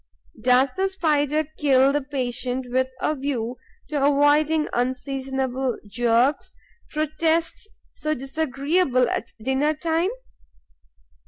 Does the Spider kill the patient with a view to avoiding unseasonable jerks, protests so disagreeable at dinner time?